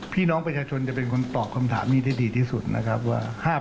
พี่น้องประชาชนจะเป็นคนตอบคำถามนี้ที่ดีที่สุดนะครับว่า